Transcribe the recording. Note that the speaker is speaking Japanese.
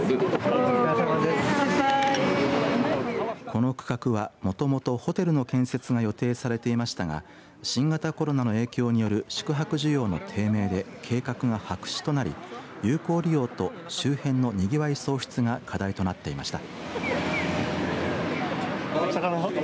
この区画は、もともとホテルの建設が予定されていましたが新型コロナの影響による宿泊需要の低迷で計画が白紙となり、有効利用と周辺のにぎわい創出が課題となっていました。